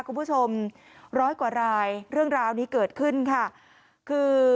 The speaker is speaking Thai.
คุณผู้ชมร้อยกว่ารายเรื่องราวนี้เกิดขึ้นค่ะคือ